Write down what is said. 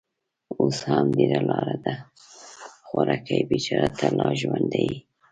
اوس هم ډېره لار ده. خوارکۍ، بېچاره، ته لا ژوندۍ يې؟